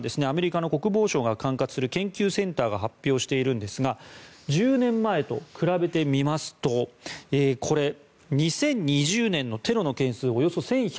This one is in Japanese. アメリカの国防省が管轄する研究センターが発表しているんですが１０年前と比べてみますと２０２０年のテロの件数